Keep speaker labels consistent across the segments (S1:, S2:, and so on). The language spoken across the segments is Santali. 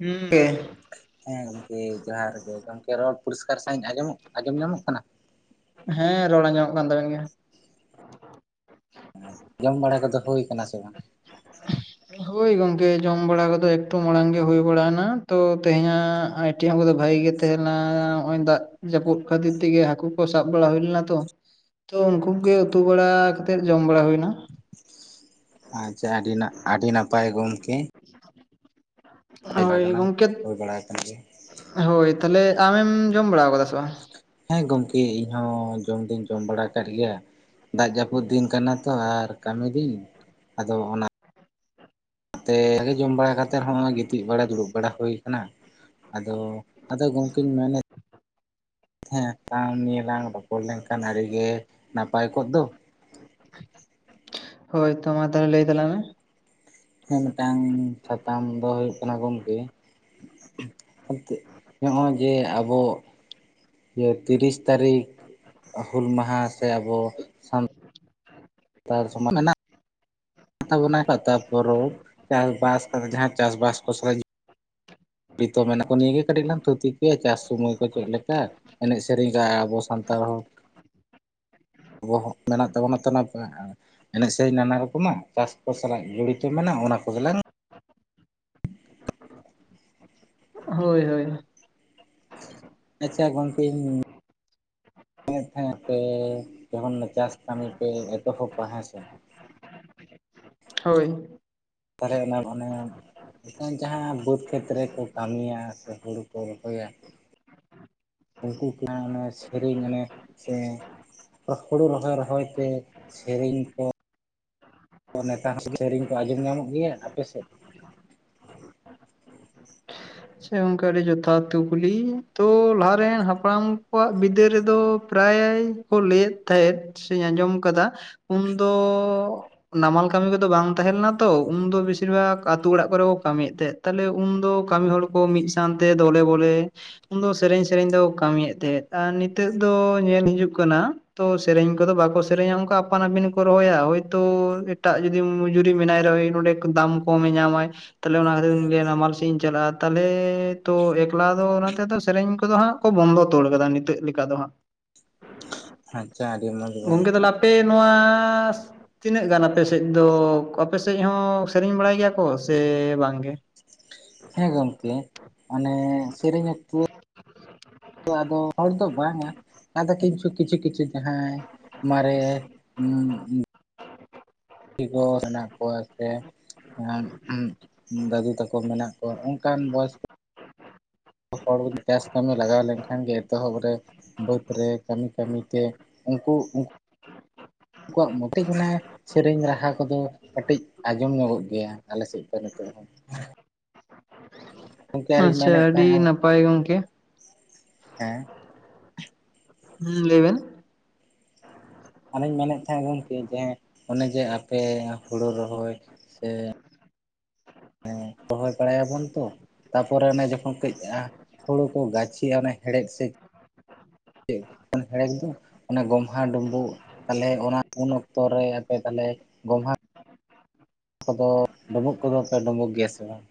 S1: ᱦᱩᱸ ᱠᱮ
S2: ᱦᱮᱸ ᱜᱚᱢᱠᱮ ᱡᱚᱦᱟᱨ ᱜᱮ ᱜᱚᱢᱠᱮ ᱨᱚᱲ ᱯᱚᱨᱤᱥᱠᱟᱨ ᱥᱟᱦᱤᱡ ᱟᱸᱡᱚᱢ ᱟᱸᱡᱚᱢ ᱧᱟᱢᱚᱜ ᱠᱟᱱᱟ?
S1: ᱦᱮᱸ ᱨᱚᱲ ᱟᱸᱡᱚᱢᱚᱜ ᱠᱟᱱ ᱛᱟᱵᱮᱱ ᱜᱮᱭᱟ
S2: ᱡᱚᱢ ᱵᱟᱲᱟ ᱠᱚᱫᱚ ᱦᱳᱭ ᱠᱟᱱᱟ ᱥᱮ ᱵᱟᱝ? ᱦ
S1: ᱦᱳᱭ ᱜᱚᱝᱠᱮ ᱡᱚᱢ ᱵᱟᱲᱟ ᱠᱚᱫᱚ ᱮᱠᱴᱩ ᱢᱟᱲᱟᱝ ᱜᱮ ᱦᱩᱭ ᱱᱟ ᱛᱚ ᱛᱮᱦᱮᱧᱟᱜ ᱟᱭ ᱴᱮᱢ ᱠᱚᱫᱚ ᱵᱷᱟᱜᱤ ᱜᱮ ᱛᱟᱦᱮᱸ ᱞᱮᱱᱟ ᱚᱜ ᱚᱭ ᱫᱟᱜ ᱡᱟᱹᱯᱩᱫ ᱠᱷᱟᱹᱛᱤᱨ ᱛᱮᱜᱤ ᱦᱟᱹᱠᱩ ᱠᱚ ᱥᱟᱵ ᱵᱟᱲᱟ ᱦᱩᱭ ᱞᱮᱱᱟ ᱛᱚ ᱛᱚ ᱩᱝᱠᱩ ᱠᱚ ᱜᱮ ᱩᱛᱩ ᱵᱟᱲᱟ ᱠᱟᱛᱮᱫ ᱡᱚᱢ ᱵᱟᱲᱟ ᱦᱩᱭ ᱱᱟ
S2: ᱟᱪᱪᱷᱟ ᱟᱹᱰᱤ ᱱᱟᱜ ᱟᱹᱰᱤ ᱱᱟᱯᱟᱭ ᱜᱚᱝᱠᱮ
S1: [unintelligible]
S2: [unintelligible]
S1: ᱦᱳᱭ ᱜᱚᱝᱠᱮ
S2: ᱦᱩᱭ ᱵᱟᱲᱟ ᱠᱟᱱᱟ ᱡᱮ
S1: ᱦᱳᱭ ᱛᱟᱞᱦᱮ ᱟᱢ ᱮᱢ ᱡᱚᱢ ᱵᱟᱲᱟ ᱠᱟᱫᱟ ᱥᱮ ᱵᱟᱝ?
S2: ᱦᱮᱸ ᱜᱚᱢᱠᱮ ᱤᱧ ᱦᱚᱸ ᱡᱚᱢ ᱫᱩᱧ ᱡᱚᱢ ᱵᱟᱲᱟ ᱟᱠᱟᱜ ᱜᱮᱭᱟ ᱫᱟᱜ ᱡᱟᱹᱯᱩᱫ ᱫᱤᱱ ᱠᱟᱱᱟ ᱛᱚ ᱟᱨ ᱠᱟᱹᱢᱤ ᱫᱤᱱ ᱟᱫᱚ ᱚᱱᱟ ᱛᱮ ᱡᱚᱢ ᱵᱟᱲᱟ ᱠᱟᱛᱮᱫ ᱦᱚᱸᱚᱭ ᱜᱤᱛᱤᱡ ᱵᱟᱲᱟ ᱫᱩᱲᱩᱵ ᱵᱟᱲᱟ ᱦᱩᱭ ᱠᱟᱱᱟ ᱟᱫᱚ ᱟᱫᱚ ᱜᱚᱢᱠᱮᱧ ᱢᱮᱱᱮᱫ ᱦᱮᱸ [unintelligible] ᱱᱤᱭᱟᱹ ᱞᱟᱝ ᱨᱚᱯᱚᱲ ᱞᱮᱱᱠᱷᱟᱱ ᱟᱹᱰᱤ ᱜᱮ ᱱᱟᱯᱟᱭ ᱠᱚᱜ ᱫᱚ
S1: ᱦᱳᱭ ᱛᱚ ᱢᱟ ᱛᱟᱦᱞᱮ ᱞᱟᱹᱭ ᱛᱟᱞᱟᱝ ᱢᱮ
S2: ᱦᱮᱸ ᱢᱤᱜᱴᱟᱝ ᱥᱟᱛᱟᱢ ᱫᱚ ᱦᱩᱭᱩᱜ ᱠᱟᱱᱟ ᱜᱚᱢᱠᱮ ᱛᱮ ᱱᱚᱜᱼᱚᱭ ᱡᱮ ᱟᱵᱚ ᱤᱭᱟᱹ ᱛᱤᱨᱤᱥ ᱛᱟᱹᱨᱤᱠᱷ ᱦᱩᱞ ᱢᱟᱦᱟ ᱥᱮ ᱟᱵᱚ ᱛᱟᱨ [unintelligible] ᱛᱟᱵᱚᱱᱟ ᱦᱚᱭ ᱛᱟᱨᱯᱚᱨ ᱪᱟᱥᱵᱟᱥ ᱠᱟᱢᱤ ᱪᱷᱟᱲᱟ ᱪᱟᱥᱵᱟᱥ ᱠᱚ ᱳᱤᱛᱚ ᱢᱮᱱᱟᱜ ᱠᱚ ᱱᱤᱭᱟᱹ ᱜᱮ ᱠᱟᱹᱴᱤᱡ ᱞᱟᱝ ᱛᱷᱩᱛᱤ ᱠᱚᱮᱭᱟ ᱪᱟᱥ ᱥᱩᱢᱚᱭ ᱠᱚ ᱪᱮᱫ ᱞᱮᱠᱟ ᱮᱱᱮᱡ ᱥᱮᱨᱮᱧ ᱨᱟᱷᱟ ᱟᱵᱚ ᱥᱟᱱ ᱛᱟᱨᱦᱚ ᱟᱵᱚᱣᱟᱜ-ᱦᱚ ᱢᱮᱱᱟᱜ ᱛᱟᱵᱚᱱᱟ ᱛᱚ ᱚᱱᱟᱛᱮ ᱮᱱᱮᱡ ᱥᱮᱨᱮᱧ ᱱᱟᱱᱟ ᱨᱚᱠᱚᱢᱟᱜ ᱪᱟᱥ ᱠᱚ ᱥᱟᱞᱟᱜ ᱡᱚᱲᱤᱛᱚ ᱢᱮᱱᱟᱜᱼᱟ ᱚᱱᱟ ᱠᱚᱜᱮᱞᱟᱝ
S1: ᱦᱳᱭ ᱦᱳᱭ
S2: ᱟᱪᱪᱷᱟ ᱜᱚᱝᱠᱮ ᱤᱧ ᱢᱮᱱ ᱠᱷᱟᱡ ᱟᱯᱮ ᱡᱮᱠᱷᱚᱱ ᱪᱟᱥ ᱠᱟᱹᱢᱤ ᱯᱮ ᱮᱛᱚᱦᱚᱵᱯᱟ ᱦᱮᱸ ᱥᱮ
S1: ᱦᱳᱭ
S2: ᱛᱟᱦᱞᱮ ᱚᱱᱟ ᱦᱚᱱᱮ ᱵᱟᱝ ᱡᱟᱦᱟᱸ ᱵᱟᱹᱫᱽ ᱠᱷᱮᱛ ᱨᱮᱠᱚ ᱠᱟᱹᱢᱤᱭᱟ ᱥᱮ ᱦᱩᱲᱩ ᱠᱚ ᱨᱚᱦᱚᱭᱟ ᱩᱱᱠᱩ ᱠᱚ ᱚᱱᱟ ᱥᱮᱨᱮᱧ ᱮᱱᱟ ᱥᱮ ᱚᱜ ᱦᱩᱲᱩ ᱨᱚᱦᱚᱭ ᱨᱚᱦᱚᱭ ᱛᱮ ᱥᱮᱨᱮᱧ ᱠᱚ ᱱᱮᱛᱟᱨ ᱦᱚᱸ ᱥᱮᱨᱮᱧ ᱠᱚ ᱟᱸᱡᱚᱢ ᱧᱟᱢᱚᱜ ᱜᱮᱭᱟ ᱟᱯᱮ ᱥᱮᱫ?
S1: ᱪᱮ ᱜᱚᱝᱠᱮ ᱟᱹᱰᱤ ᱡᱚᱛᱷᱟᱛ ᱠᱩᱠᱞᱤ ᱛᱚ ᱞᱟᱦᱟᱨᱮᱱ ᱦᱟᱯᱲᱟᱢ ᱠᱚᱣᱟᱜ ᱵᱤᱫᱟᱹᱞ ᱨᱮᱫᱚ ᱯᱨᱟᱭ ᱠᱚ ᱞᱟᱹᱭᱮᱫ ᱛᱟᱦᱮᱸᱫ ᱥᱮᱧ ᱟᱸᱡᱚᱢ ᱠᱟᱫᱟ ᱩᱱᱫᱚ ᱱᱟᱢᱟᱞ ᱠᱟᱹᱢᱤ ᱠᱚᱫᱚ ᱵᱟᱝ ᱛᱟᱦᱮᱸ ᱞᱮᱱᱟ ᱛᱚ ᱩᱱᱫᱚ ᱵᱮᱥᱤᱨ ᱵᱷᱟᱜ ᱟᱹᱛᱩ ᱚᱲᱟᱜ ᱠᱚᱨᱮ ᱠᱚ ᱠᱟᱹᱢᱤᱭᱮᱫ ᱛᱟᱦᱮᱸᱫ ᱛᱟᱦᱞᱮ ᱩᱱ ᱫᱚ ᱠᱟᱹᱢᱤ ᱦᱚᱲ ᱵᱚ ᱢᱤᱫ ᱥᱟᱶᱛᱮ ᱫᱚᱞᱮ ᱵᱚᱞᱮ ᱩᱱᱫᱚ ᱥᱮᱨᱮᱧ ᱥᱮᱨᱮᱧ ᱫᱚ ᱠᱟᱹᱢᱤᱭᱮᱫ ᱛᱟᱦᱮᱸᱫ ᱟᱨ ᱱᱤᱛᱚᱜ ᱫᱚ ᱧᱮᱞ ᱦᱤᱡᱩᱜ ᱠᱟᱱᱟ ᱛᱚ ᱥᱮᱨᱮᱧ ᱠᱚᱫᱚ ᱵᱟᱠᱚ ᱥᱮᱨᱮᱧᱟ ᱚᱱᱠᱟ ᱟᱯᱟᱱ-ᱟᱹᱯᱤᱱ ᱠᱚ ᱨᱚᱦᱚᱭᱟ ᱦᱚᱭᱛᱚ ᱮᱴᱟᱜ ᱡᱩᱫᱤ ᱢᱚᱡᱩᱨᱤ ᱢᱮᱱᱟᱭ ᱨᱮ ᱦᱚᱸᱭ ᱱᱚᱸᱰᱮ ᱫᱟᱢ ᱠᱚᱢᱮ ᱧᱟᱢᱟᱭ ᱛᱟᱦᱚᱞᱮ ᱚᱱᱟ ᱠᱷᱟᱹᱛᱤᱨ ᱩᱱᱤᱫᱚᱭ ᱞᱟᱹᱭᱟ ᱱᱟᱢᱟᱞ ᱥᱮᱫ ᱤᱧ ᱪᱟᱞᱟᱜᱼᱟ᱾ ᱛᱟᱦᱚᱞᱮ ᱛᱚ ᱮᱠᱞᱟ ᱫᱚ ᱚᱱᱟᱛᱮ ᱥᱮᱨᱮᱧ ᱠᱚᱫᱚ ᱦᱟᱸᱜ ᱠᱚ ᱵᱚᱱᱫᱚ ᱛᱚᱲ ᱠᱟᱫᱟ ᱱᱤᱛᱚᱜ ᱞᱮᱠᱟ ᱫᱚ ᱦᱟᱸᱜ
S2: ᱟᱪᱪᱟ ᱟᱹᱰᱤ ᱢᱚᱸᱡᱽ ᱜᱚᱝᱠᱮ᱾
S1: ᱯᱮ ᱱᱚᱣᱟ ᱛᱤᱱᱟᱹᱜ ᱜᱟᱱ ᱟᱯᱮᱥᱮᱫ ᱫᱚ ᱟᱯᱮᱥᱮᱡ ᱦᱚᱸ ᱥᱮᱨᱮᱧ ᱵᱟᱲᱟᱭ ᱜᱮᱭᱟ ᱠᱚ ᱥᱮ ᱵᱟᱝ ᱜᱮ
S2: ᱦᱮᱸ ᱜᱚᱝᱠᱮ ᱚᱱᱮ ᱥᱮᱨᱮᱧ [unintelligible] ᱟᱫᱚ ᱟᱫᱚ [unintelligible] ᱫᱚ ᱵᱟᱝᱟ ᱟᱫᱚ ᱠᱤᱪᱩ ᱠᱤᱪᱷᱤ ᱠᱤᱪᱷᱤ ᱡᱟᱦᱟᱸᱭ ᱢᱟᱨᱮ ᱩᱸᱻ ᱩᱸ ᱟᱹᱰᱤ ᱵᱮᱥ ᱢᱮᱱᱟᱜ ᱠᱚᱣᱟ ᱥᱮ ᱦᱮᱸ ᱩᱦᱩᱸᱫᱟᱹᱫᱩ ᱛᱮᱠᱚ ᱢᱮᱱᱟᱜ ᱠᱚᱣᱟ ᱚᱱᱠᱟᱱ ᱵᱚᱭᱮᱥ ᱠᱚ ᱡᱚᱛᱚ ᱦᱚᱲ ᱡᱩᱫᱤ ᱪᱟᱥ ᱠᱟᱹᱢᱤ ᱞᱟᱜᱟᱣ ᱞᱮᱱᱠᱷᱟᱱ ᱜᱮ ᱮᱛᱚᱦᱚᱵ ᱨᱮ ᱵᱟᱹᱫᱽ ᱨᱮ ᱠᱟᱹᱢᱤ ᱠᱟᱹᱢᱤᱛᱮ ᱩᱱᱠᱩ ᱩᱱᱠᱩᱣᱟᱜ ᱢᱚᱛᱤ ᱠᱟᱱᱟᱭ ᱥᱮᱨᱮᱹᱧ ᱨᱟᱦᱟ ᱠᱚᱫᱚ ᱠᱟᱹᱴᱤᱡ ᱟᱸᱡᱚᱢ ᱧᱚᱜᱚᱜ ᱜᱮᱭᱟ ᱟᱞᱮ ᱥᱮᱫ ᱫᱚ ᱱᱤᱛᱚᱜ ᱨᱮ ᱦᱚᱸ ᱜᱚᱢᱠᱮ ᱟᱨᱤᱧ
S1: ᱟᱪᱪᱷᱟ
S2: ᱢᱮᱱᱮᱫ
S1: ᱟᱹᱰᱤ
S2: ᱛᱟᱦᱮᱸᱜᱼᱟ
S1: ᱱᱟᱯᱟᱭ ᱜᱚᱝᱠᱮ
S2: [inaudible] ᱦᱮᱸ
S1: ᱦᱩᱸ ᱞᱟᱹᱭ ᱵᱮᱱ
S2: ᱟᱨᱮᱧ ᱢᱮᱱᱮᱫ ᱛᱟᱦᱮᱸᱫ ᱜᱚᱝᱠᱮ ᱡᱟᱦᱟᱸᱭ ᱚᱱᱮ ᱡᱮ ᱟᱯᱮ ᱦᱩᱲᱩ ᱨᱚᱦᱚᱭ ᱥᱮ ᱦᱮᱸ ᱨᱚᱦᱚᱭ ᱵᱟᱲᱟᱭ ᱟᱵᱚᱱ ᱛᱚ ᱛᱟᱯᱚᱨᱮ ᱚᱱᱮ ᱡᱚᱠᱷᱚᱱ ᱠᱟᱹᱡ ᱟ ᱦᱩᱲᱩ ᱠᱚ ᱜᱟᱹᱪᱷᱤᱜᱼᱟ ᱚᱱᱮ ᱦᱮᱲᱮᱫ ᱥᱤᱫ ᱮᱠᱮᱱ ᱦᱮᱲᱮ ᱠᱤᱫᱩᱜ ᱚᱱᱟ ᱜᱚᱢᱦᱟ ᱰᱩᱸᱵᱩᱜ ᱛᱟᱦᱚᱞᱮ ᱚᱱᱟ ᱩᱱ ᱚᱠᱛᱚ ᱨᱮ ᱟᱯᱮ ᱛᱟᱦᱚᱞᱮ ᱜᱚᱢᱦᱟ ᱟᱫᱚ ᱰᱩᱸᱵᱩᱜ ᱠᱚᱫᱚ ᱯᱮ ᱰᱩᱸᱵᱩᱜᱽ ᱜᱮᱭᱟ ᱥᱮ ᱵᱟᱝ?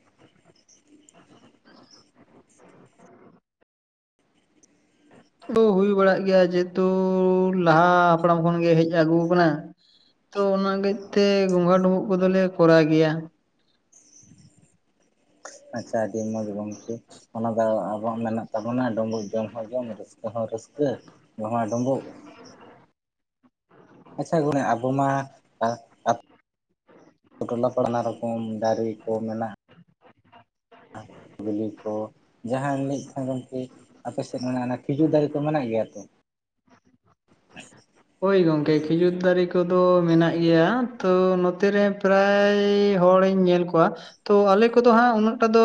S1: ᱠᱚᱫᱚ ᱦᱩᱭ ᱵᱟᱲᱟᱜ ᱜᱮᱭᱟ ᱡᱮᱦᱮᱛᱩᱻ ᱞᱟᱦᱟ ᱦᱟᱯᱲᱟᱢ ᱠᱷᱚᱱᱜᱮ ᱦᱮᱡ ᱟᱹᱜᱩ ᱠᱟᱱᱟ᱾ ᱛᱚ ᱚᱱᱟ ᱜᱮᱡ ᱛᱮ ᱜᱚᱸᱜᱷᱟ ᱰᱩᱸᱵᱩᱜ ᱠᱚᱫᱚᱞᱮ ᱠᱚᱨᱟᱣ ᱜᱮᱭᱟ᱾
S2: ᱟᱪᱪᱷᱟ ᱟᱹᱰᱤ ᱢᱚᱡᱽ ᱜᱚᱝᱠᱮ ᱚᱱᱟ ᱫᱚ ᱟᱵᱚᱣᱟᱜ ᱢᱮᱱᱟᱜ ᱛᱟᱵᱚᱱᱟ ᱰᱩᱸᱵᱩᱜ ᱡᱚᱢ ᱦᱚᱸ ᱡᱚᱢ ᱨᱟᱹᱥᱠᱟᱹ ᱦᱚᱸ ᱨᱟᱹᱥᱠᱟᱹ ᱜᱚᱢᱦᱟ ᱰᱩᱸᱵᱩᱜ
S1: [inaudible]
S2: ᱟᱪᱪᱷᱟ ᱜᱚᱢᱠᱮ ᱟᱵᱚ ᱢᱟ ᱜᱚᱞᱟ ᱯᱟᱲᱱᱟ ᱨᱚᱠᱚᱢ ᱫᱟᱨᱮ ᱠᱚ ᱢᱮᱱᱟᱜᱼᱟ ᱵᱤᱞᱤ ᱠᱚ ᱡᱟᱦᱟᱸᱧ ᱞᱟᱹᱭᱮᱫ ᱛᱟᱦᱮᱱ ᱜᱚᱝᱠᱮ ᱟᱯᱮ ᱥᱮᱫ ᱨᱮᱱᱟᱜ ᱚᱱᱟ ᱠᱷᱤᱡᱩᱨ ᱫᱟᱨᱮ ᱠᱚ ᱢᱮᱱᱟᱜ ᱜᱮᱭᱟ ᱛᱚ [inaudible]
S1: ᱦᱚᱭ ᱜᱚᱝᱠᱮ ᱠᱷᱤᱡᱩᱨ ᱫᱟᱨᱮ ᱠᱚᱫᱚ ᱢᱮᱱᱟᱜ ᱜᱮᱭᱟ ᱛᱚ ᱱᱚᱛᱮ ᱨᱮ ᱯᱨᱟᱭᱻ ᱦᱚᱲ ᱤᱧ ᱧᱮᱞ ᱠᱚᱣᱟ ᱛᱚ ᱟᱞᱮ ᱠᱚᱫᱚ ᱦᱟᱸᱜ ᱩᱱᱟᱹᱜ ᱴᱟᱜ ᱫᱚ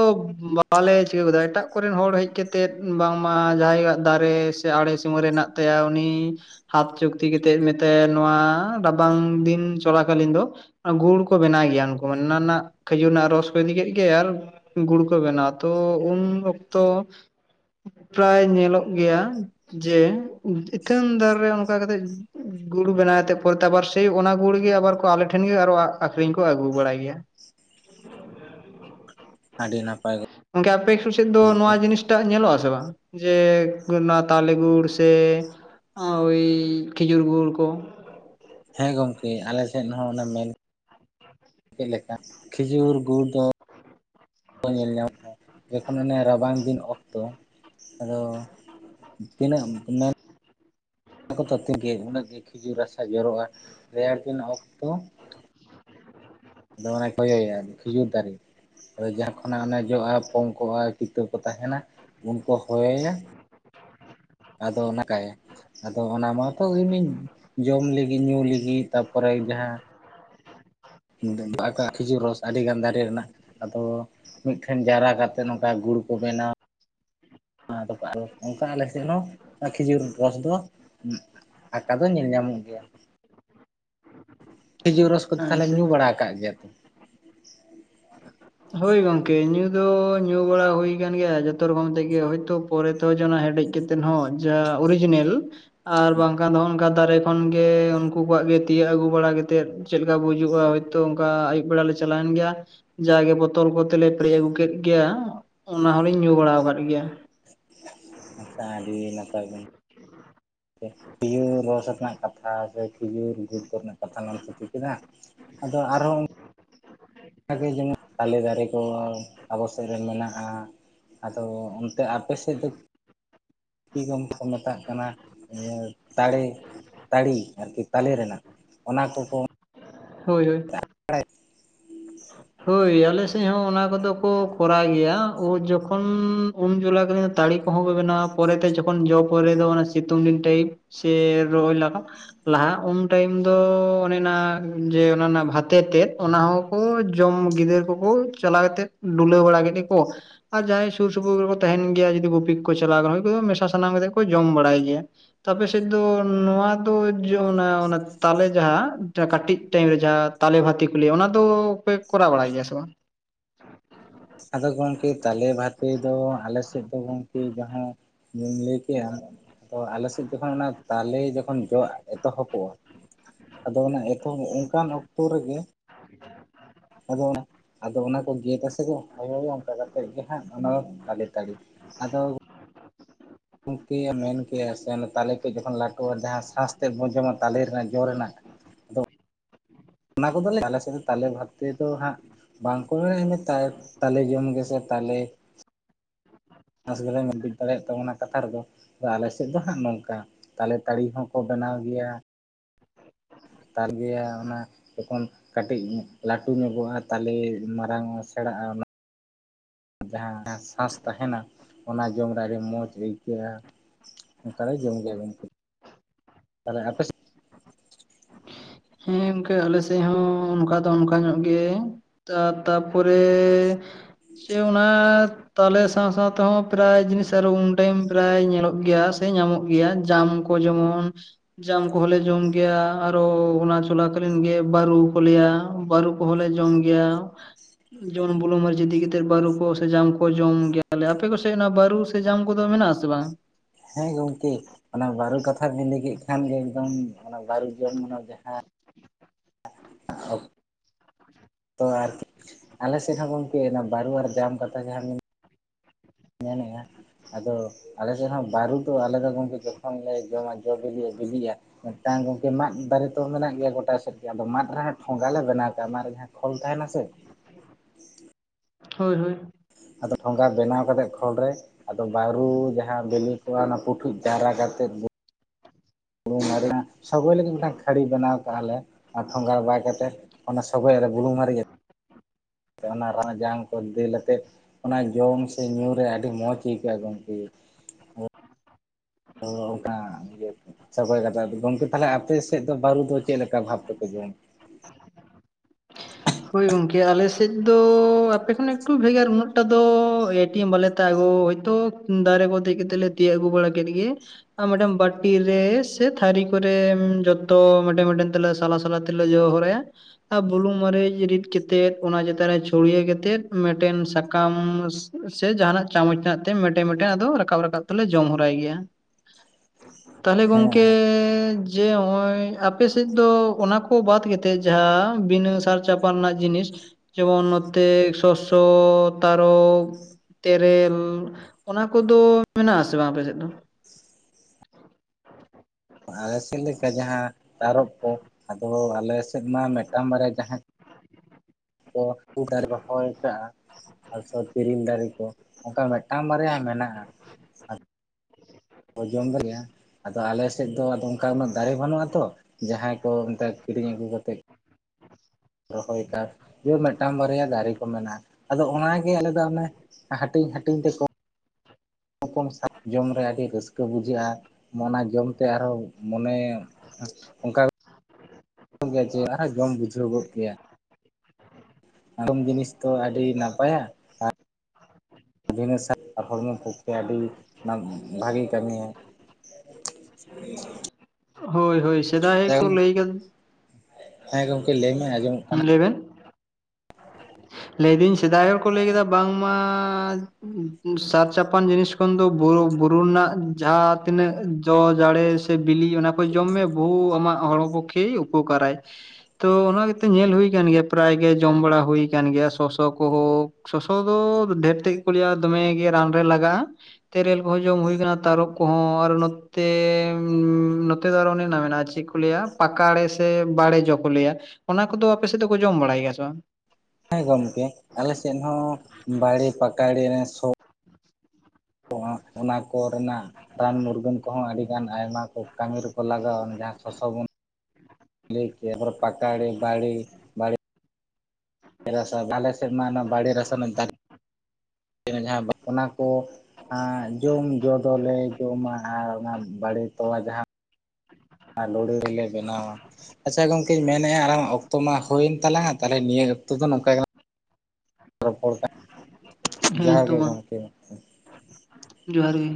S1: ᱵᱟᱞᱮ ᱪᱤᱠᱟᱹ ᱜᱚᱫᱟ ᱮᱴᱟᱜ ᱠᱚᱨᱮᱱ ᱦᱚᱲ ᱦᱮᱡ ᱠᱟᱛ ᱛᱮᱫ ᱵᱟᱝᱢᱟ ᱡᱟᱦᱟᱸᱭᱟᱜ ᱫᱟᱨᱮ ᱥᱮ ᱟᱲᱮ ᱥᱤᱢᱟᱹ ᱨᱮᱱᱟᱜ ᱛᱟᱭᱟ ᱩᱱᱤ ᱦᱟᱛ ᱪᱩᱠᱛ ᱛᱤ ᱠᱟᱛᱮᱫ ᱢᱮᱛᱟᱭᱟ ᱱᱚᱣᱟ ᱨᱟᱵᱟᱝ ᱫᱤᱱ ᱪᱚᱞᱟᱠᱟᱹᱞᱤᱱ ᱫᱚ ᱜᱩᱲ ᱠᱚ ᱵᱮᱱᱟᱭ ᱜᱮᱭᱟ, ᱩᱱᱠᱩ ᱱᱟᱱᱟᱜ ᱠᱷᱟᱹᱡᱩᱨ ᱨᱮᱱᱟᱜ ᱨᱚᱥ ᱠᱚ ᱤᱫᱤ ᱠᱮᱫ ᱜᱮ ᱟᱨ ᱜᱩᱲ ᱠᱚ ᱵᱮᱱᱟᱣᱟ ᱛᱚ ᱩᱱ ᱚᱠᱛᱚ ᱯᱨᱟᱭ ᱧᱮᱞᱚᱜ ᱜᱮᱭᱟ ᱡᱮ ᱩᱜ ᱤᱛᱟᱹᱱ ᱫᱟᱨᱮ ᱨᱮ ᱚᱱᱠᱟ ᱠᱟᱛᱮᱜ
S2: [unintelligible]
S1: ᱜᱩᱲ ᱵᱮᱱᱟᱣᱛᱮ ᱯᱚᱨᱮᱛᱮ ᱟᱵᱟᱨ ᱥᱮᱭ ᱚᱱᱟ ᱜᱩᱲ ᱜᱮ ᱟᱵᱟᱨ ᱠᱚ ᱟᱞᱮ ᱴᱷᱮᱱ ᱜᱮ ᱟᱨᱚ ᱦᱟᱸᱜ ᱟᱠᱷᱨᱤᱧ ᱠᱚ ᱟᱹᱜᱩ ᱵᱟᱲᱟᱭ ᱜᱮᱭᱟ᱾
S2: ᱟᱹᱰᱤ ᱱᱟᱯᱟᱭ ᱠᱚ
S1: ᱜᱟᱝᱠᱮ ᱟᱯᱮ ᱥᱩᱨ ᱥᱮᱫ ᱫᱚ ᱱᱚᱣᱟ ᱡᱤᱱᱤᱥ ᱴᱟᱜ ᱧᱮᱞᱚᱜ ᱟᱥᱮ ᱵᱟᱝ? ᱡᱮ ᱚᱱᱟ ᱛᱟᱞᱮ ᱜᱩᱲ ᱥᱮ ᱳᱭ ᱠᱷᱤᱡᱩᱨ ᱜᱩᱲ ᱠᱚ,
S2: ᱦᱮᱸ ᱜᱚᱝᱠᱮ ᱟᱞᱮ ᱥᱮᱫ ᱦᱚᱸ ᱚᱱᱟ ᱢᱮᱱ ᱪᱮᱫ ᱞᱮᱠᱟ ᱠᱷᱤᱡᱩᱨ ᱜᱩᱲ ᱫᱚ ᱧᱮᱞ ᱧᱟᱢᱟ ᱡᱚᱠᱷᱚᱱ ᱚᱱᱮ ᱨᱟᱵᱟᱝ ᱫᱤᱱ ᱚᱠᱛᱚ ᱟᱫᱚ ᱛᱤᱱᱟᱹᱜ ᱩᱢᱮᱨ? ᱚᱱᱟ ᱠᱚᱛᱚᱛᱚᱜᱮ ᱩᱱᱟᱹᱜ ᱜᱮ ᱠᱷᱤᱡᱩᱨ ᱨᱟᱥᱟ ᱡᱚᱨᱚᱜᱼᱟ ᱨᱮᱭᱟᱲ ᱫᱤᱱ ᱚᱠᱛᱚ ᱟᱫᱚ ᱚᱱᱟᱭ ᱠᱚᱭᱚᱜ ᱮᱭᱟ ᱠᱷᱤᱡᱩᱨ ᱫᱟᱨᱤ᱾ ᱡᱟᱦᱟᱸ ᱠᱷᱚᱱᱟᱜ ᱚᱱᱮ ᱡᱚᱦᱟ ᱯᱚᱝᱠᱚᱜᱼᱟ ᱠᱤᱛᱟᱹ ᱠᱚ ᱛᱟᱦᱮᱸᱱᱟ ᱩᱱᱠᱚ ᱦᱚᱭᱚᱭᱭᱟ᱾ ᱟᱫᱚ ᱚᱱᱟᱠᱟᱭ ᱟᱫᱚ ᱚᱱᱟ ᱢᱟᱛᱚ ᱮᱢᱤᱡ ᱡᱚᱢ ᱞᱟᱹᱜᱤᱫ ᱧᱩ ᱞᱟᱹᱜᱤᱫ ᱛᱟᱯᱚᱨᱮ ᱡᱟᱦᱟᱸ ᱯᱟᱠᱟ ᱠᱷᱤᱡᱩᱨ ᱨᱚᱥ ᱟᱹᱰᱤᱜᱟᱱ ᱫᱟᱨᱮ ᱨᱮᱱᱟᱜ ᱟᱫᱚ ᱢᱤᱫᱴᱷᱮᱱ ᱡᱟᱣᱨᱟ ᱠᱟᱛᱮᱫ ᱱᱚᱝᱠᱟ ᱜᱩᱲ ᱠᱚ ᱵᱮᱱᱟᱣ᱾ ᱟᱫᱚ ᱚᱱᱠᱟ ᱟᱞᱮ ᱥᱮᱫ ᱦᱚᱸ ᱠᱷᱤᱡᱩᱨ ᱨᱚᱥ ᱫᱚ ᱟᱸᱠᱟ ᱫᱚ ᱧᱮᱞ ᱧᱟᱢᱚᱜ ᱜᱮᱭᱟ᱾ ᱠᱷᱤᱡᱩᱨ ᱨᱚᱥ ᱠᱚᱫᱚ ᱛᱟᱦᱚᱞᱮ
S1: ᱟᱪᱪᱷᱟ
S2: ᱧᱩ ᱵᱟᱲᱟ ᱟᱠᱟᱫ ᱜᱮᱭᱟ ᱛᱚ?
S1: ᱦᱳᱭ ᱜᱚᱝᱠᱮ ᱧᱩ ᱫᱚ ᱧᱩ ᱵᱟᱲᱟ ᱦᱩᱭ ᱟᱠᱟᱱ ᱜᱮᱭᱟ, ᱡᱚᱛᱚ ᱨᱚᱠᱚᱢ ᱛᱮᱜᱮ ᱦᱚᱳᱭᱛᱚ ᱯᱚᱨᱮ ᱛᱮ ᱡᱮᱱᱚ ᱦᱮᱸᱰᱮᱡᱽ ᱠᱟᱛᱮᱫ ᱦᱚᱸ ᱡᱟ ᱚᱨᱤᱡᱤᱱᱮᱞ ᱟᱨ ᱵᱟᱝᱠᱷᱟᱱ ᱱᱚᱱᱝᱠᱟ ᱫᱟᱨᱮ ᱠᱷᱚᱱ ᱜᱮ ᱩᱱᱠᱩ ᱠᱚᱣᱟᱜ ᱜᱮ ᱛᱤᱭᱟᱹᱜ ᱟᱹᱜᱩ ᱵᱟᱲᱟ ᱠᱟᱛᱮᱫ ᱪᱮᱫᱮᱠᱟ ᱵᱚ ᱦᱤᱡᱩᱜᱼᱟ ᱦᱚᱭᱛᱳ ᱚᱱᱠᱟ ᱟᱹᱭᱩᱵ ᱵᱮᱲᱟ ᱞᱮ ᱪᱟᱞᱟᱣᱮᱱ ᱜᱮᱭᱟ ᱡᱟᱜᱮ ᱵᱚ ᱵᱚᱛᱚᱞ ᱠᱚᱛᱮᱞᱮ ᱯᱮᱨᱮᱡ ᱟᱹᱜᱩ ᱠᱮᱫ ᱜᱮᱭᱟ ᱚᱱᱟ ᱦᱚᱞᱤᱧ ᱧᱩ ᱵᱟᱲᱟᱣ ᱟᱠᱟᱫ ᱜᱮᱭᱟ᱾
S2: ᱟᱪᱪᱷᱟ ᱟᱹᱰᱤ ᱱᱟᱯᱟᱭ ᱜᱮ ᱠᱷᱤᱡᱩᱨ ᱨᱚᱥ ᱨᱮᱱᱟᱜ ᱠᱟᱛᱷᱟ ᱥᱮ, ᱠᱷᱤᱡᱩᱨ ᱜᱩᱲ ᱠᱚᱨᱮᱱᱟᱜ ᱠᱟᱛᱷᱟ ᱞᱟᱝ ᱛᱷᱩᱛᱤ ᱠᱮᱫᱟ᱾ ᱟᱫᱚ ᱟᱨᱦᱚᱸ ᱟᱜᱮ ᱡᱮᱢᱚᱱ ᱛᱟᱞᱮ ᱫᱟᱨᱮ ᱠᱚ ᱟᱵᱚ ᱥᱮᱫ ᱨᱮ ᱢᱮᱱᱟᱜᱼᱟ᱾ ᱟᱫᱚ ᱚᱱᱛᱮ ᱟᱯᱮ ᱥᱮᱫ ᱫᱚ ᱛᱤ ᱜᱚᱢᱠᱮ ᱠᱚ ᱢᱮᱛᱟᱜ ᱠᱟᱱᱟ ᱤᱭᱟᱹ ᱛᱟᱲᱮ᱾ ᱛᱟᱹᱲᱤ ᱟᱨᱠᱤ ᱛᱟᱞᱮ ᱨᱮᱱᱟᱜ ᱚᱱᱟ ᱠᱚᱠᱚ
S1: ᱦᱳᱭ, ᱦᱳᱭ
S2: ᱯᱨᱟᱤᱥ
S1: ᱦᱳᱭ ᱟᱞᱮᱥᱮᱫ ᱦᱚᱸ ᱚᱱᱟ ᱠᱚᱫᱚ ᱠᱚ ᱠᱚᱨᱟᱣ ᱜᱮᱭᱟ ᱡᱚᱠᱷᱚᱱ ᱩᱢ ᱡᱚᱞᱟ ᱠᱟᱛᱮ ᱛᱹᱟᱲᱮ ᱠᱚᱦᱚᱸ ᱠᱚ ᱵᱮᱱᱟᱣᱟ ᱯᱚᱨᱮᱛᱮ ᱡᱚᱠᱷᱚᱱ ᱡᱚ ᱯᱚᱨᱮ ᱫᱚ ᱥᱤᱛᱩᱝ ᱫᱤᱱ ᱴᱟᱭᱤᱯ, ᱥᱮ ᱨᱚᱦᱚᱭ ᱞᱟᱜᱟᱜ ᱞᱟᱦᱟ ᱩᱢ ᱴᱟᱭᱤᱢ ᱫᱚ ᱚᱱ-ᱚᱱᱮᱱᱟ ᱡᱮ ᱚᱱᱟ ᱨᱮᱱᱟᱜ ᱵᱷᱟᱛᱮ ᱛᱮᱫ ᱚᱱᱟ ᱦᱚᱸᱠᱚ ᱡᱚᱢ ᱜᱤᱫᱟᱹᱨ ᱠᱚᱠᱚ ᱪᱟᱞᱟᱣ ᱠᱟᱛᱮᱫ ᱰᱩᱞᱟᱹᱣ ᱵᱟᱲᱟ ᱠᱮᱫ ᱜᱮ ᱠᱚ ᱟᱨ ᱡᱟᱦᱟᱸᱭ ᱥᱩᱨ ᱥᱩᱯᱩᱨ ᱨᱮᱠᱚ ᱛᱟᱦᱮᱸᱱ ᱜᱮᱭᱟ ᱡᱩᱫᱤ ᱜᱩᱯᱤ ᱠᱚ ᱪᱟᱞᱟᱣᱠᱟᱱ ᱩᱱᱠᱩ ᱢᱮᱥᱟ ᱥᱟᱱᱟᱢ ᱠᱟᱛᱮᱫ ᱠᱚ ᱡᱚᱢ ᱵᱟᱲᱟᱭ ᱜᱮᱭᱟ᱾ ᱟᱯᱮᱥᱮᱫ ᱫᱚ ᱱᱚᱣᱟ ᱫᱚ ᱡᱮ ᱚᱱᱟ ᱚᱱᱟ ᱛᱟᱞᱮ ᱡᱟᱦᱟᱸ ᱠᱟᱹᱴᱤᱡ ᱴᱟᱭᱤᱢ ᱨᱮ ᱡᱟᱦᱟᱸ ᱛᱟᱞᱮ ᱵᱷᱟᱛᱤ ᱠᱩᱞᱮ ᱚᱱᱟ ᱫᱚᱯᱮ ᱠᱚᱨᱟᱣ ᱵᱟᱲᱟᱭ ᱜᱮᱭᱟ ᱥᱮ ᱵᱟᱝ?
S2: ᱟᱫᱚ ᱜᱚᱢᱠᱮ ᱛᱟᱞᱮ ᱵᱷᱟᱛᱮ ᱫᱚ ᱟᱞᱮ ᱥᱮᱫ ᱫᱚ ᱜᱚᱢᱠᱮ ᱡᱟᱦᱟᱸ ᱤᱧ ᱞᱟᱹᱭ ᱠᱮ-ᱟ᱾ ᱛᱚ ᱟᱞᱮᱥᱮᱫ ᱡᱚᱠᱷᱟᱱ ᱚᱱᱟ ᱛᱟᱞᱮ ᱡᱚᱠᱷᱚᱱ ᱡᱚ ᱮᱛᱚᱦᱚᱵᱚᱜᱼᱟ, ᱟᱫᱚ ᱚᱱᱟ ᱮᱛᱚᱦᱚᱵ ᱚᱱᱠᱟᱱ ᱚᱠᱛᱚ ᱨᱮᱜᱮ
S1: [unintelligible]
S2: ᱟᱫᱚ ᱟᱫᱚ ᱚᱱᱟ ᱠᱚ ᱜᱮᱫᱟᱥᱮ ᱠᱚ ᱦᱚᱭᱚᱭᱟ ᱚᱱᱠᱟ ᱠᱟᱛᱮᱫ ᱜᱮ ᱦᱟᱸᱜ ᱚᱱᱟ ᱫᱚ ᱛᱟᱞᱮ ᱛᱟᱹᱲᱤ᱾ ᱟᱫᱚ, ᱚᱠᱚᱭᱮ ᱢᱮᱱ ᱠᱮᱭᱟ ᱥᱮ ᱛᱟᱞᱮ ᱠᱚ ᱡᱚᱠᱷᱚᱱ ᱞᱟᱹᱴᱩᱼᱟ ᱡᱟᱦᱟᱸ ᱥᱟᱸᱥ ᱛᱮ ᱵᱚᱱ ᱡᱚᱢᱟ ᱛᱟᱞᱮ ᱨᱮᱱᱟᱜ ᱡᱚ ᱨᱮᱱᱟᱜ ᱟᱫᱚ ᱚᱱᱟ ᱠᱚᱫᱚᱞᱮ ᱟᱞᱮ ᱥᱮᱫ ᱛᱟᱞᱮ ᱵᱷᱟᱛᱮ ᱫᱚ ᱦᱟᱸᱜ ᱵᱟᱝᱠᱚ ᱢᱮᱱᱟ ᱤᱱᱟᱹ ᱛᱟ ᱛᱟᱞᱮ ᱡᱚᱢ ᱜᱮ ᱥᱮ ᱛᱟᱞᱮ᱾ ᱟᱥ ᱜᱮᱞᱮ [inaudible] ᱫᱟᱲᱮᱭᱟᱜ ᱛᱟᱵᱚᱱᱟ ᱠᱟᱛᱷᱟ ᱨᱮᱫᱚ ᱟᱞᱮ ᱥᱮᱫ ᱫᱚ ᱦᱟᱜ ᱱᱚᱝᱠᱟ ᱛᱟᱞᱮ ᱛᱟᱹᱲᱤ ᱦᱚᱸᱠᱚ ᱵᱮᱱᱟᱣ ᱜᱮᱭᱟ
S1: [unintelligible]
S2: ᱛᱟᱨ ᱜᱮᱭᱟ ᱚᱱᱟ ᱛᱚᱠᱷᱚᱱ ᱠᱟᱹᱴᱤᱡ ᱞᱟᱹᱴᱩ ᱧᱚᱜᱚᱜ-ᱟ ᱛᱟᱞᱮ ᱢᱟᱨᱟᱝ ᱚᱜ-ᱟ ᱥᱮᱬᱟᱜ-ᱟ ᱡᱟᱦᱟ ᱥᱟᱥ ᱛᱟᱦᱮᱱᱟ ᱚᱱᱟ ᱡᱚᱢᱨᱮ ᱟᱹᱰᱤ ᱢᱚᱸᱡᱽ ᱟᱹᱭᱠᱟᱹᱜ-ᱟ ᱚᱱᱠᱟᱨᱮ ᱡᱚᱢ ᱜᱮᱭᱟ ᱜᱚᱝᱠᱮ ᱛᱟᱦᱚᱞᱮ ᱟᱯᱮ ᱥᱮᱫ
S1: ᱦᱮᱸ ᱜᱚᱝᱠᱮ ᱟᱞᱮ ᱥᱮᱫ ᱦᱚᱸ ᱱᱚᱠᱟ ᱫᱚ ᱚᱱᱠᱟ ᱧᱚᱜ ᱜᱮ ᱛᱟ ᱛᱟᱯᱚᱨᱮ ᱥᱮ ᱚᱱᱟ ᱛᱟᱦᱚᱞᱮ ᱥᱟᱣ ᱥᱟᱣ ᱛᱮᱦᱚᱸ ᱯᱨᱟᱭ ᱡᱤᱱᱤᱥ ᱟᱨᱚ ᱩᱢ ᱴᱟᱭᱤᱢ ᱯᱨᱟᱭ ᱧᱮᱞᱚᱜ ᱜᱮᱭᱟ ᱥᱮ ᱧᱟᱢᱚᱜ ᱜᱮᱭᱟ ᱡᱟᱢ ᱠᱚ ᱡᱮᱢᱚᱱ ᱡᱟᱢ ᱠᱚᱦᱚᱸ ᱞᱮ ᱡᱚᱢ ᱜᱮᱭᱟ ᱟᱨᱚ ᱚᱱᱟ ᱪᱚᱞᱟ ᱠᱟᱞᱤᱱ ᱜᱮ ᱵᱟᱹᱨᱩ ᱠᱚᱞᱮᱭᱟ ᱵᱟᱹᱨᱩ ᱠᱚᱦᱚᱸ ᱞᱮ ᱡᱚᱢ ᱜᱮᱭᱟ᱾ ᱡᱮᱢᱚᱱ ᱵᱩᱞᱩᱝ ᱢᱟᱨᱤᱪ ᱤᱫᱤ ᱠᱟᱛᱮᱫ ᱵᱟᱹᱨᱩ ᱠᱚ ᱥᱮ ᱡᱟᱢ ᱠᱚ ᱡᱚᱢ ᱜᱮᱭᱟᱞᱮ ᱟᱯᱮ ᱠᱚ ᱥᱮ ᱚᱱᱟ ᱵᱟᱹᱨᱩ ᱡᱟᱢ ᱠᱚᱫᱚ ᱢᱮᱱᱟᱜ-ᱟ ᱥᱮ ᱵᱟᱝ?
S2: ᱦᱮᱸ ᱜᱚᱝᱠᱮ ᱚᱱᱟ ᱵᱟᱹᱨᱩ ᱠᱟᱛᱷᱟ ᱵᱮᱱ ᱞᱟᱹᱭ ᱠᱮᱫ ᱠᱷᱟᱱ ᱜᱮ ᱮᱠᱫᱚᱢ ᱚᱱᱟ ᱵᱟᱨᱩ ᱡᱚᱢ ᱚᱱᱟ ᱡᱟᱦᱟ ᱛᱚ ᱟᱨᱠᱤ ᱟᱞᱮ ᱥᱮᱫ ᱦᱚᱸ ᱜᱚᱝᱠᱮ ᱚᱱᱟ ᱵᱟᱹᱨᱩ ᱟᱨ ᱡᱟᱢ ᱠᱟᱛᱷᱟ ᱡᱟᱦᱟ ᱵᱮᱱ ᱢᱮᱱ ᱮᱜ-ᱟ ᱟᱫᱚ ᱟᱞᱮ ᱥᱮᱫ ᱦᱚᱸ ᱵᱟᱨᱩ ᱫᱚ ᱟᱞᱮ ᱫᱚ ᱜᱚᱝᱠᱮ ᱡᱚᱠᱷᱚᱱ ᱞᱮ ᱡᱚᱢᱟ ᱡᱚ ᱵᱤᱞᱤ ᱵᱤᱞᱤᱜ-ᱟ ᱢᱤᱫᱴᱟᱝ ᱜᱚᱝᱠᱮ ᱢᱟᱫ ᱫᱟᱨᱮ ᱛᱚ ᱢᱮᱱᱟᱜ ᱜᱮᱭᱟ ᱜᱚᱴᱟ ᱥᱮᱫ ᱜᱮ ᱟᱫᱚ ᱢᱟᱫ ᱨᱮᱦᱟᱜ ᱴᱷᱚᱜᱟ ᱞᱮ ᱵᱮᱱᱟᱣ ᱠᱟᱜ-ᱟ ᱢᱟᱫ ᱨᱮ ᱡᱟᱦᱟ ᱠᱷᱚᱞ ᱛᱟᱦᱮᱱᱟ ᱥᱮ
S1: ᱦᱳᱭ ᱦᱳᱭ
S2: ᱟᱫᱚ ᱴᱷᱚᱜᱟ ᱵᱮᱱᱟᱣ ᱠᱟᱛᱮᱫ ᱠᱷᱚᱞ ᱨᱮ ᱟᱫᱚ ᱵᱟᱹᱨᱩ ᱡᱟᱦᱟ ᱵᱤᱞᱤ ᱠᱚᱜ-ᱟ ᱚᱱᱟ ᱯᱩᱴᱷᱩᱡ ᱡᱟᱣᱨᱟ ᱠᱟᱛᱮᱜ [inaudible] ᱥᱚᱜᱚᱭ ᱞᱟᱹᱜᱤᱫ ᱢᱤᱫᱴᱟᱝ ᱠᱷᱟᱹᱲᱤ ᱵᱮᱱᱟᱣ ᱠᱟᱜ-ᱟ ᱞᱮ ᱟᱨ ᱴᱷᱚᱜᱟ ᱵᱟᱭ ᱠᱟᱛᱮ ᱚᱱᱟ ᱥᱚᱜᱚᱭ ᱨᱮ ᱵᱩᱞᱩᱝ ᱢᱟᱨᱤ ᱟᱫ ᱚᱱᱟ [inaudible] ᱡᱟᱝ ᱠᱚ ᱫᱟᱹᱞ ᱟᱛᱮᱫ ᱚᱱᱟ ᱡᱚᱢ ᱥᱮ ᱧᱩ ᱨᱮ ᱟᱹᱰᱤ ᱢᱚᱸᱡᱽ ᱟᱹᱭᱠᱟᱹᱜ-ᱟ ᱜᱚᱢᱠᱮ
S1: [unintelligible]
S2: ᱛ ᱚᱱᱠᱟ ᱤᱭᱟᱹ ᱥᱚᱜᱚᱭ [inaudible] ᱜᱚᱢᱠᱮ ᱛᱟᱦᱚᱞᱮ ᱟᱯᱮ ᱥᱮᱫ ᱫᱚ ᱵᱟᱹᱨᱩ ᱫᱚ ᱪᱮᱫ ᱞᱮᱠᱟ ᱵᱷᱟᱵ ᱛᱮᱠᱚ ᱡᱚᱢᱟ?
S1: ᱦᱳᱭ ᱜᱚᱝᱠᱮ ᱟᱞᱮ ᱥᱮᱫ ᱫᱚ ᱟᱯᱮ ᱠᱷᱚᱱ ᱮᱠᱴᱩ ᱵᱷᱮᱜᱟᱨ ᱩᱱᱟᱹᱜ ᱴᱟ ᱫᱚ ᱮᱴᱮᱢ ᱵᱟᱞᱮ [unintelligible] ᱦᱳᱭ ᱛᱚ ᱫᱟᱨᱮ ᱠᱚ ᱫᱮᱡ ᱠᱟᱛᱮᱡ ᱞᱮ ᱛᱤᱭᱚᱜ ᱟᱸᱜᱩ ᱵᱟᱲᱟ ᱠᱮᱫ ᱜᱮ ᱟᱨ ᱢᱮᱱᱴᱮᱱ ᱵᱟᱴ ᱨᱮ ᱥᱮ ᱛᱷᱟᱨᱤ ᱠᱚᱨᱮ ᱡᱚᱛᱚ ᱢᱮᱴᱮᱢ ᱢᱮᱴᱮᱱ ᱛᱮᱞᱮ ᱥᱟᱞᱟ ᱥᱟᱞᱟ ᱡᱚ ᱦᱚᱨᱟᱭᱟ ᱟᱨ ᱵᱩᱞᱩᱝ ᱢᱟᱨᱤᱪ ᱨᱤᱫ ᱠᱟᱛᱮᱫ ᱚᱱᱟ ᱪᱮᱛᱟᱱ ᱨᱮ ᱪᱷᱩᱲᱭᱟᱹ ᱠᱟᱛᱮ ᱢᱤᱫᱴᱮᱱ ᱥᱟᱠᱟᱢ ᱥᱮ ᱡᱟᱦᱟᱱᱟᱜ ᱪᱟᱢᱚᱪ ᱨᱮᱱᱟᱜ ᱛᱮ ᱢᱮᱴᱮᱱ ᱢᱮᱴᱮᱱ ᱟᱫᱚ ᱨᱟᱠᱟᱵ ᱨᱟᱠᱟᱵ ᱛᱮᱞᱮ ᱡᱚᱢ ᱦᱚᱨᱟᱭ ᱜᱮᱭᱟ᱾
S2: [unintelligible]
S1: ᱛᱟᱦᱚᱞᱮ ᱜᱚᱝᱠᱮ
S2: ᱦᱮᱸ
S1: ᱡᱮ ᱚᱜ-ᱚᱭ ᱟᱯᱮ ᱥᱮᱫ ᱫᱚ ᱚᱱᱟ ᱠᱚ ᱵᱟᱫ ᱠᱟᱛᱮ ᱡᱟᱦᱟ ᱵᱤᱱᱟᱹ ᱥᱟᱨ [inaudible] ᱯᱟᱱ ᱨᱮᱱᱟᱜ ᱡᱤᱱᱤᱥ ᱡᱮᱢᱚᱱ ᱱᱚᱛᱮ ᱥᱚᱥᱚ ᱛᱟᱨᱚᱵ ᱛᱮᱨᱮᱞ ᱚᱱᱟ ᱠᱚᱫᱚ ᱢᱮᱱᱟᱜ-ᱟ ᱥᱮ ᱵᱟᱝ ᱟᱯᱮ ᱥᱮᱫ ᱫᱚ? [unintelligible]
S2: ᱟᱞᱮ ᱥᱮᱫ ᱞᱮᱠᱟ ᱡᱟᱦᱟ ᱛᱟᱨᱚᱵ ᱠᱚ ᱟᱫᱚ ᱟᱞᱮ ᱥᱮᱫ ᱢᱟ ᱢᱤᱫᱴᱟᱝ ᱵᱟᱨᱭᱟ ᱡᱟᱦᱟ ᱠᱚ [inaudible] ᱨᱚᱦᱚᱭ ᱠᱟᱜ-ᱟ [unintelligible] ᱫᱟᱨᱮ ᱠᱚ ᱚᱱᱠᱟ ᱢᱤᱫᱴᱟᱝ ᱵᱟᱨᱭᱟ ᱢᱮᱱᱟᱜ-ᱟ᱾ ᱠᱚ ᱡᱚᱢ [inaudible] ᱜᱮᱭᱟ ᱟᱫᱚ ᱟᱞᱮ ᱥᱮᱫ ᱫᱚ ᱚᱱᱠᱟ ᱩᱱᱟᱹᱜ ᱫᱟᱨᱮ ᱵᱟᱹᱱᱩᱜ ᱟᱛᱚ ᱡᱟᱦᱟᱭ ᱠᱚ [inaudible] ᱠᱤᱨᱤᱧ ᱟᱹᱜᱩ ᱛᱮᱫ ᱨᱚᱦᱚᱭ ᱟᱠᱟ ᱡᱮ ᱢᱤᱫᱴᱟᱝ ᱵᱟᱨᱭᱟ ᱫᱟᱨᱮ ᱠᱚ ᱢᱮᱱᱟᱜ-ᱟ ᱟᱫᱚ ᱚᱱᱟᱜᱮ ᱟᱞᱮ ᱫᱚ ᱚᱱᱮ ᱦᱟᱹᱴᱤᱧ ᱦᱟᱹᱴᱤᱧ ᱛᱮᱠᱚ [inaudible] ᱡᱚᱢ ᱨᱮ ᱟᱹᱰᱤ ᱨᱟᱹᱥᱠᱟᱹ ᱵᱩᱡᱷᱟᱹᱜ-ᱟ ᱢᱚᱱᱟ ᱡᱚᱢ ᱛᱮ ᱟᱨᱦᱚᱸ ᱢᱚᱱᱮ ᱚᱱᱠᱟ ᱜᱮᱭᱟ ᱡᱮ ᱟᱨᱦᱚᱸ ᱡᱚᱢ ᱵᱩᱡᱷᱟᱹᱣ ᱜᱚᱫ ᱠᱮᱭᱟ᱾ ᱟᱨᱩᱵ ᱡᱤᱱᱤᱥ ᱛᱚ ᱟᱹᱰᱤ ᱱᱟᱯᱟᱭᱟ ᱦᱚᱲᱢᱚ ᱯᱚᱠᱠᱷᱮ ᱟᱹᱰᱤ ᱵᱷᱟᱹᱜᱤ ᱠᱟᱹᱢᱤᱭᱟᱟᱭ [unintelligible]
S1: ᱦᱳᱭ ᱦᱳᱭ ᱥᱮᱫᱟᱭ ᱠᱚ ᱞᱟᱹᱭ ᱠᱟᱫᱟ
S2: ᱦᱮᱸ ᱜᱚᱢᱠᱮ ᱞᱟᱹᱭᱢᱮ ᱟᱸᱡᱚᱢ
S1: ᱞᱮᱵᱷᱮᱱ ᱞᱟᱹᱭᱫᱟᱹᱧ ᱥᱮᱫᱟᱭ ᱦᱚᱲ ᱠᱚ ᱞᱟᱹᱭ ᱠᱮᱫᱟ ᱵᱟᱝᱢᱟ ᱥᱟᱨ ᱪᱟᱯᱟᱱ ᱡᱤᱱᱤᱥ ᱠᱷᱚᱱ ᱫᱚ ᱵᱩᱨᱩ ᱨᱮᱱᱟᱜ ᱡᱟᱦᱟᱸ ᱛᱤᱱᱟᱹᱜ ᱡᱚ ᱡᱟᱲᱮ ᱥᱮ ᱵᱤᱞᱤ ᱚᱱᱟ ᱠᱚ ᱡᱚᱢ ᱢᱮ ᱵᱚᱦᱩ ᱟᱢᱟᱜ ᱦᱚᱲᱢᱚ ᱯᱚᱠᱠᱷᱮ ᱩᱯᱚᱠᱟᱨᱟᱭ ᱛᱚ ᱚᱱᱟ ᱜᱮᱛᱚ ᱧᱮᱞ ᱦᱩᱭ ᱠᱟᱱ ᱜᱮᱭᱟ ᱯᱨᱟᱭ ᱜᱮ ᱡᱚᱢ ᱵᱟᱲᱟ ᱦᱩᱭ ᱠᱟᱱ ᱜᱮᱭᱟ ᱥᱚᱥᱚ ᱠᱚᱦᱚ ᱥᱚᱥᱚ ᱫᱚ ᱰᱷᱮᱨ ᱛᱮᱜᱮ ᱠᱚ ᱞᱟᱹᱭᱟ ᱫᱚᱢᱮᱜᱮ ᱨᱟᱱ ᱨᱮ ᱞᱟᱜᱟᱜᱼᱟ ᱛᱮᱨᱮᱞ ᱠᱚᱦᱚᱸ ᱡᱚᱢ ᱦᱩᱭᱠᱟᱱᱟ ᱛᱟᱨᱚᱵ ᱠᱚᱦᱚᱸ ᱟᱨ ᱱᱚᱛᱮ ᱱᱚᱛᱮ ᱫᱚ ᱟᱨ ᱚᱱᱮᱱᱟ ᱢᱮᱱᱟᱜᱼᱟ ᱪᱮᱫ ᱠᱚ ᱞᱟᱹᱭᱟ ᱯᱟᱠᱟᱲᱮ ᱥᱮ ᱵᱟᱲᱮ ᱡᱚ ᱠᱚ ᱞᱟᱹᱭᱟ ᱚᱱᱟ ᱠᱚᱫᱚ ᱟᱯᱮ ᱥᱮᱫ ᱫᱚᱠᱚ ᱡᱚᱢ ᱵᱟᱲᱟᱭ ᱜᱮᱭᱟ ᱥᱮ ᱵᱟᱝ
S2: ᱦᱮᱸ ᱜᱚᱢᱠᱮ ᱟᱞᱮ ᱥᱮᱫ ᱦᱚᱸ ᱵᱟᱲᱮ ᱯᱟᱠᱟᱲᱮ ᱥᱚ ᱚᱱᱟ ᱠᱚ ᱨᱮᱱᱟᱜ ᱨᱟᱱ ᱢᱩᱨᱜᱟᱹᱱ ᱠᱚᱦᱚᱸ ᱟᱹᱰᱤᱜᱟᱱ ᱟᱭᱢᱟ ᱠᱚ ᱠᱟᱹᱢᱤ ᱨᱮᱠᱚ ᱞᱟᱜᱟᱣᱟᱼᱟ ᱡᱟᱦᱟᱸ ᱥᱚᱥᱚᱵᱚᱱ ᱞᱟᱹᱭ ᱠᱮᱫ ᱯᱟᱠᱟᱲᱮ ᱵᱟᱲᱮ ᱵᱟᱲᱮ ᱟᱞᱮ ᱥᱮᱫ ᱢᱟ ᱵᱟᱲᱮ ᱨᱟᱥᱟ ᱨᱮᱭᱟᱜ ᱛᱟᱲᱤ ᱡᱟᱦᱟᱸ ᱚᱱᱟ ᱠᱚ ᱡᱚᱢ ᱡᱚ ᱫᱚᱞᱮ ᱡᱚᱢᱟ ᱟᱨ ᱚᱱᱟ ᱵᱟᱲᱮ ᱛᱚᱣᱟ ᱡᱟᱦᱟᱸ ᱟᱨ ᱞᱩᱲᱮ ᱨᱮᱞᱮ ᱵᱮᱱᱟᱣᱟ ᱟᱪᱪᱷᱟ ᱜᱚᱝᱠᱮ ᱢᱮᱱᱮᱫᱼᱟ ᱟᱨ ᱟᱞᱟᱝ ᱟᱜ ᱚᱠᱛᱚ ᱢᱟ ᱦᱩᱭᱮᱱ ᱛᱟᱞᱟᱝ-ᱟ ᱛᱟᱦᱚᱞᱮ ᱱᱤᱭᱟᱹ ᱚᱠᱛᱚ ᱫᱚ ᱱᱚᱝᱠᱟ ᱨᱚᱯᱚᱲ ᱯᱮ
S1: ᱦᱮᱸ ᱛᱚ ᱢᱟ ᱡᱚᱦᱟᱨ ᱜᱮ